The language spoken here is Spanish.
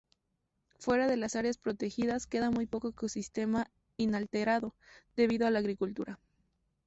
Fuera de las áreas protegidas queda muy poco ecosistema inalterado, debido a la agricultura.